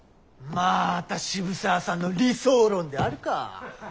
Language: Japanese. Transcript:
まぁた渋沢さんの理想論であるか。